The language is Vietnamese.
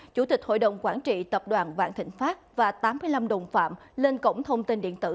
chủ tịch hội đồng quản trị tập đoàn vạn thịnh pháp và tám mươi năm đồng phạm lên cổng thông tin điện tử